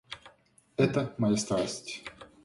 Это моя страсть.